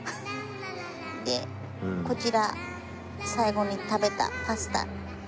でこちら最後に食べたパスタ。